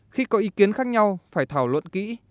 khi có ý kiến khác nhau phải thảo luận kỹ